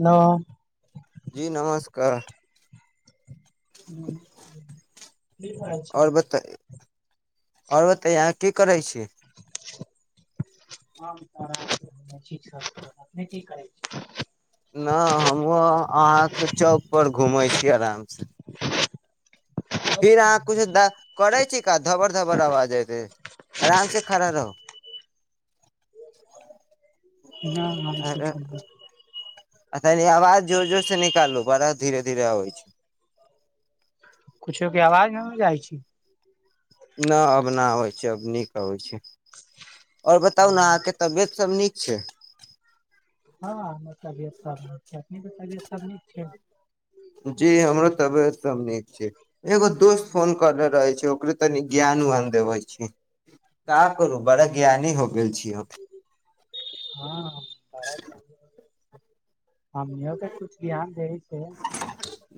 hello जी नमस्कार हँ आओर बताई आओर बताई अहाँ की करै छी [unintelligible] न हमहुँ अहाँके चौक पर घूमै छी आराम से फिर अहाँ कुछो द करै छी का धबड़ धबड़ आवाज आयते आराम से खड़ा रहू [inaudible] [inaudible] आ तनि आवाज जोर जोर से निकालू बड़ा धीरे धीरे आबै छै कुछो के आवाज नहि न जाय छी न अब ना अबैत छै अब नीक अबै छै आओर बताउ ने हँ अहाँके तबियत सभ नीक छै हँ तबियत सब निक छै अपनाके तबियत सब निक छै जी हमरो तबियत सब नीक छी एगो दोस्त फोन करनेे रहै छी ओकरे तनि ज्ञान वान देबै छी का करू बड़ा ज्ञानी हो गेल छी हम हँ हमनीयो के कुछ ज्ञान दै छियै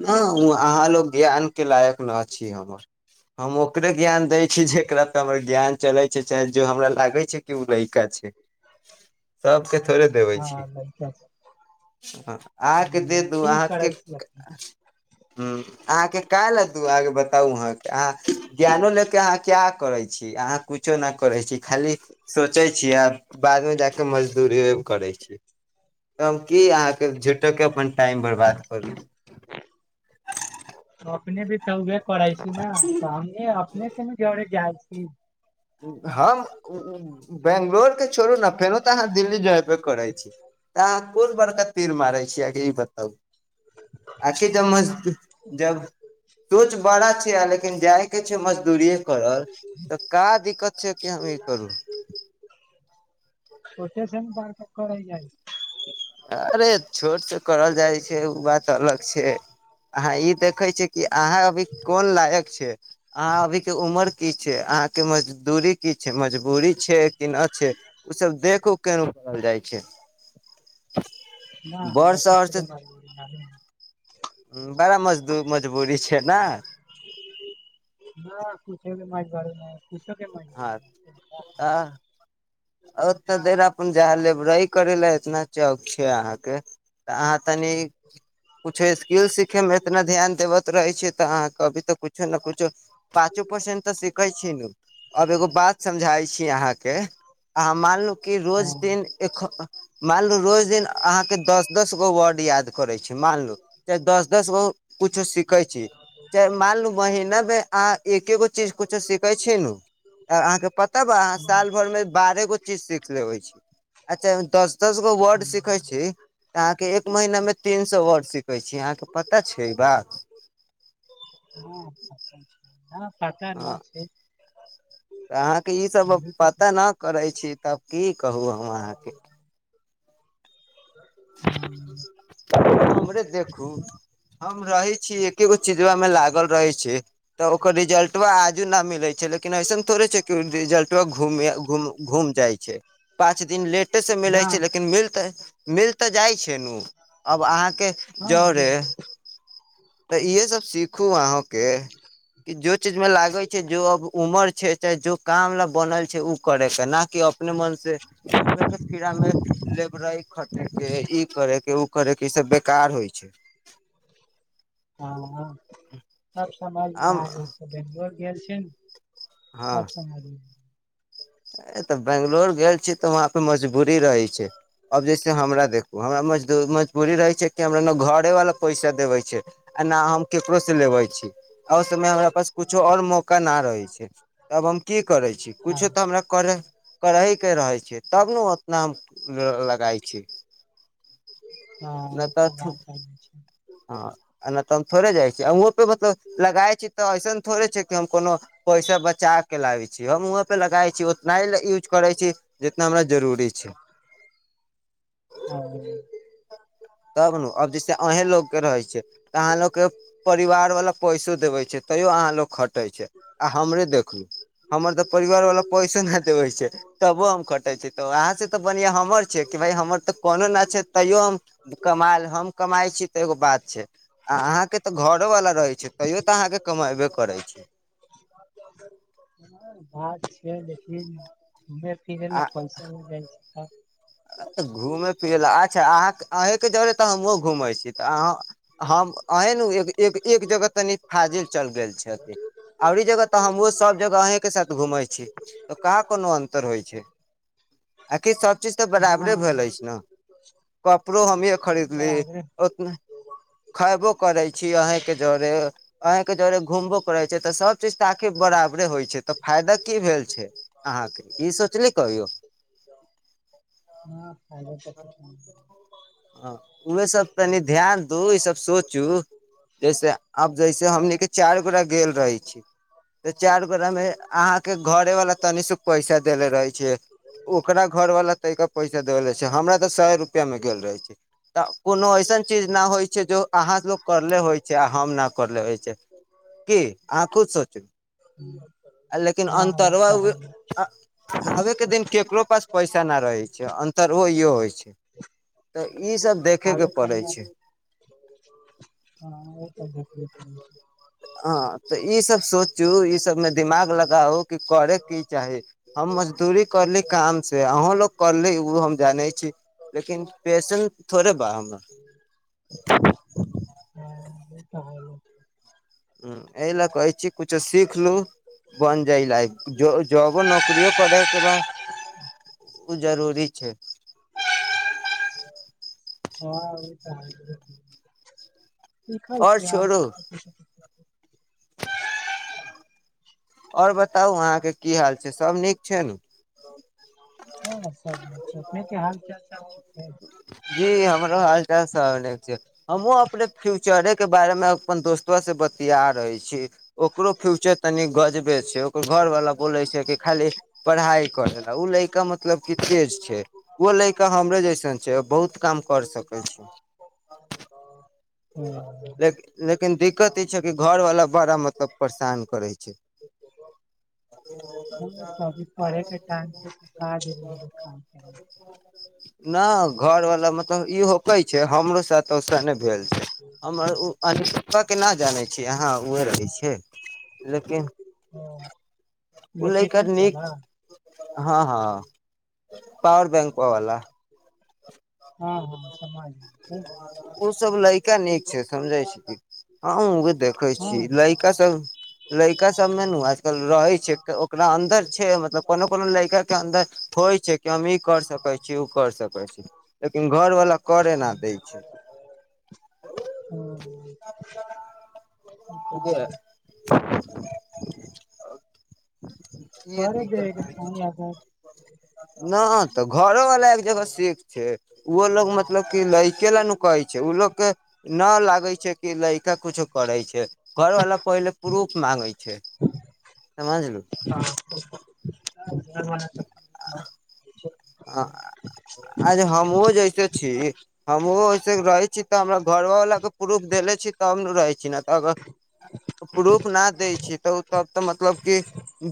न अहाँ लोग ज्ञान के लायक न छी हमर हम ओकरे ज्ञान दै छी जेकरा से हमर ज्ञान चले छै चाहे जो हमरा लागे छै कि ओ लइका छै ह [unintelligible] सभके थोड़े देबै छी सब आहांकेऽ दे हुं दू ठीक अहाँके करै छी अपने ह अहाँके कयला दू आ बताउ अहाँके अहाँ ज्ञानो लेके अहाँ क्या करै छी अहाँ कुछो नहि करै छी खाली सोचै छी आ बाद में जाके मजदूरी करे छियै [inaudible] तऽ हम की अहाँके झुठेके अपन टाइम बर्बाद करू अपने भी तऽ उहे करै छी न त हम ए अपने केन जरे जाय छी हम बेंगलोर के छोड़ू ने फेरो तऽ अहाँ दिल्ली जेबे करै छी तऽ अहाँ कोन बरका तीर मारे छीयै आ ई बताउ आखिर जब मन जब सोंच बड़ा छै लेकिन जायके छै मजदूरीेये करल तऽ [unintelligible] का दिक्कत छै कि हम ई करू सोचे छै ने बार पकरइ जाइ अरे छोट सय करल जाइ छै ओ बात अलग छै आ ई देखे छी की अहां अभी कोन लायक छ अहाँ अभी के उमर की छै अहाँ के मजदूरी की छै मजबूरी छै कि नहि छै ओ सब देखो केन करल जाई छै न बड़ देख [unintelligible] ह बड़ा मजदू मजबूरी छै ने [unintelligible] हँ आ [unintelligible] ओ तऽ देर अपन जा ले रहि करै ल हेतना चौक अहाँके तऽ अहाँ तनी कुछ स्किल सिखे मे एतना ध्यान देवत रहे छी ते अहाँ के अभी ते कुछो ने कुछ पाँचो परसेंट तऽ सीखे छी यो आब एगो बात समझाय छी अहाँ केँ अहाँ मानू कि रोज हँ दिन मानलु रोज दिन अहाँ के दस दस गो वर्ड याद करै छी मानलू चाहे दस दस गो कुछो सीखै छी चाहे मानलू महिना मे अहाँ एकेगो चीज कुछो सीखे छी नू अहाँकेँ पता बा अहाँ साल भर मे बारह गो चीज सीख लेबे छी अच्छा दस दस गो वर्ड सीखे छी तऽ अहाँके एक महीना मे तीन सए वर्ड सीखै छी अहाँके पता छै ई बात हँ पता हँ न छै तऽ अहाँके ईसभ पता नहि करै छी तब की कहू हम अहाँकेँ हँ हमरे देखू हम रहै छीयै एके गो चीजमे लागल रहै छै तऽ ओकर रिजल्ट व आजू नहि मिलैत छै लेकिन अइसन थोड़े छै कि रिजल्ट घूमया घूम घूम जाइ छै पाँच दिन लेट लेट सँ न मिलाये छै लेकिन मिल त मिल त जाय छै न के हँ जरे मिल गेल तऽ इएहे सभ सीखू अहाँ केँ कि जो चीज मे लागै छै जो अब उमर छै चाहे जो काम ल बनल छै ओ करै के ना की अपने मन से कीड़ा मे लेब क खटे के ई करेके उ करेके इ सब बेकार होइ छै ह सब समझमे आ आम गेल छै [unintelligible] भेटब गेल छै ने साफ समाज [unintelligible] ए तऽ बंगलोर गेल छी तऽ वहां पे मजबूरी रहै छै अब जैसे हमरा देखु हमराजदू मजबूरी रहे छै की हमरा न घर वाला पैसा देबे छै आ नहि हम केकरो से लेबे छी समय हमरा पास कुछो आओर मौका न रहै छै अब हम की करे छी हँ कुछो तऽ हमरा करे करहि के रहे छै तब ने ओ ओतना लगई छी हँ ई तऽ बात ह छै [unintelligible] हँ नहि तऽ हम थोड़े जाइ छी वहों पे मतलब लगााय छी तऽ ऐसन थोड़े छै कि हम कोनो पैसा बचा के लाबे छी हम वहं पे लगााय छी उतना ह यूज करै छी जितना हमरा जरूरी छै हँ [unintelligible] तब ने आब जैसे अहें लोकके रहै छै तऽ अहाँ लोकके परिवार वालला पैसो देवे छै तैयो अहाँ लोग ख कटै छै आ हमरे देखलू हमर तऽ परिवार वाला पैसो नहि देबे छै तबो हम कटै छी तऽ अहाँ से तऽ बढ़िआ हमर छै हमर तऽ कोनो न छै तैयो हम कमायल हम कमाई छी तऽ एगो बात छै आ अहाँके तऽ घरो वाला रहै छै तैयो तऽ अहाँके कमैबे करैत छै बात छै देख घुमे फिरे फशन जाइ छै [unintelligible] घूमै फिरै लए अच्छा अह अहीके जरे तऽ हमहूँ घूमै छी तऽ अह हम अ एक जगह तनी फाजिल चल गेल छै आओरी ई जगह तऽ हमहु सब जगह अहीं के साथ घूमै छी तऽ कहाँ कोनो अन्तर होइ छै आखि सब चीज ई बराबरे भैएल अछि ने कपड़ो हमे खरीदली बराबरे उतना खयबो करै छी अहेंके जरे अहंके जरे घूमबो करै छै तऽ सब चीज तऽ आखिर बराबरे होइ छै तऽ फायदा की भेल छै अहाँके ई सोचली कहियौ आ [unintelligible] हँ उह सब तनी ध्यान दू ई सब सोचू जैसे आब जैसे हमनी के चारि गोरा गेल रहे छी तऽ चार गोरा मे अहाँ के घरे वाला तनिसख पैसा देेले रहे छिय ओकरा घरवाला तै के पैसा देब छै हमरा तऽ सए रुपआमे गेल रहै छै तऽ कोनो ऐसन चीज नहि होइ छै जो अहाँ लोक करले होइ छै आ हम नहि करले होइ छै की आहाँ खुद सोचू हँ [unintelligible] लेकिन अन्तरवा उ अबेके दिन केकरो पास पैसा नहि रहै छै अन्तर ओ इहो होइत छै तऽ ईसभ देखैयके पड़ै छै ह [unintelligible] [unintelligible] हँ ओ तऽ देखबे करबे [unintelligible] अ तऽ ईसभ सोचू ईसभमे दिमाग लगाउ कि करय की चाही हम मजदूरी करली काम से अहूँलोग करली ओ हम जानै छी लेकिन पैसन थोड़े बा हमर हँ ई त ह [unintelligible] [unintelligible] हूं एहि लए कहै छी कुछो सीख लू बन जइ लै ज जब नौकरी ओ करै के बा उ जरूरी छै [unintelligible] सिखल और छी अहाँ छोड़ू और बताउ अहाँके की हाल छै सब नीक छै न हँ सब निक छै अपने हाल चाल सब ठीक छै जी हमरो हाल चाल स्वने छै हमहु अपने फ्यूचरे के बारे में अपन दोस्तो से बतिया रहे छी ओकरो फ्यूचर तनी गजबे छै ओकर घरवला बोलै छै कि खाली पढ़ाई करै ल ओ लैका मतलब की तेज छै ओ लैका हमरे जैसे छै बहुत काम कर सकै छै ह [unintelligible] लेकिन दिक्कत ई छै कि घरवाला बड़ा मतलब परशान करै छै [unintelligible] [unintelligible] तऽ अभी पढ़े के टाइम छै तऽ काज एलै काम हँ [inaudible] न घर वाला मतब ई होकै छै हमरो सातऽ स नहि भेल छै हम उ अनुष्का के नहि जानै छियै अहाँ ओह रहै छै लेकिन ह ओ लटेट लड़का न नीक ब [unintelligible] हँ हँ पावर बैंक वाला हँ हँ समाज ओ सब लैका नीक छै समझै छी हँ ओ देखै हँ छी हँ लैक का सौ [unintelligible] लैका सब मे नू आजकल रहे छै ओकरा अन्दर छै मतलब कोनो कोनो लैका के अन्दर ठोइ छै छै कि हम ई कर सकै छी उ कर सकै छी लेकिन घर वाला करेना देै छै हँ [unintelligible] [unintelligible] घरे देके छ यादात नहि त घरो वाला एक जगह सेख छै ओ लोग मतलब क लैके ल नु कहै छै ओ लोग के न लागै छै कि लड़का कुछो करै छै घरवाला पहिले प्रूफ मांगै छै समझलु ह ब [unintelligible] आ अछ हमहु जैसे छी हमहुं ओहिसे रहै छी तहमरा घरवाला के प्रूफ देले छी तब नु रहै छी न त प्रूफ नहि दै छै त ओ तब त मतलब कि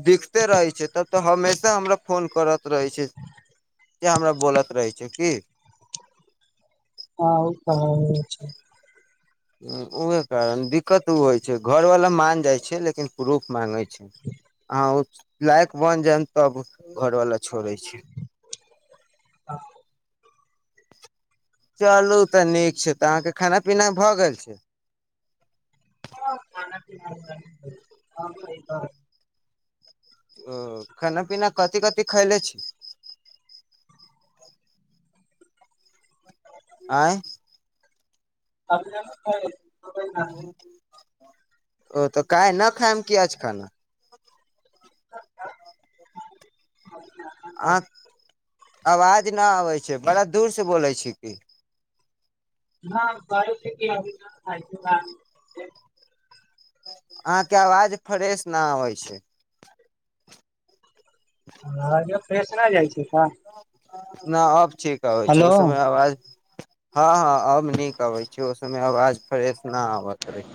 दिखते रहै छै तब त हमेशा हमरा फोन करत रहै छै किया हमरा बोलत रहै छै की आ ओ त छै ह उहे कारण दिक्कत ओ होइ छै घरवाला मान जाइ छै लेकिन प्रूफ मांगै छै ओ लायक बन जाय तब घर वाला छोड़े छी आ चलू त नीक छै त अहाँके खाना पीना भए गेल छै [unintelligible] ओ खाना पीना कथि कथि खैले छी आँय [unintelligible] ओ तऽ काय न खायम की आज खाना अहाँ [unintelligible] आवाज न आबै छै बड़ा दूर से बोलै छी [unintelligible] आहके अवाज फ्रेश न आवे छै हो फ्रेश नहि जाइ छै त न अब ठीक अबे छौ ओ समय अवाज हँ हँ अब नीक अबै छै ओ सयमे आवाज फ्रेश न अबैत रहै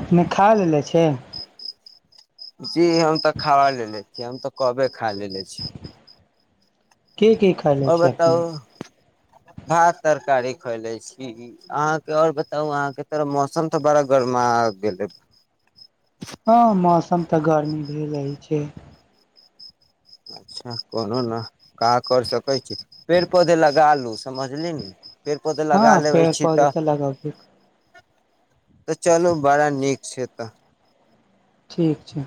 अपने खा लेलेे छै जी हम तऽ खा लेलेे छियै हम त कबे खा लेलेे छियै के के आओर बताउ भात तरकारी खोले छी अहाँके और बताउ अहाँके तरफ मौसम तऽ बड़ा गरमा गेल हँ मौसम तऽ गर्मी भेल रहै छै अच्छा कोनो न का कर सकै छी पेड़ पौधे लगा लू समझली ने पेड़ पौधे हँ लगा लेबे पेड़ छी पौधे त तऽ लगबे तऽ चलू बड़ा नीक छै तऽ ठीक छै